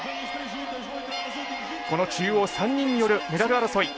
この中央３人によるメダル争い。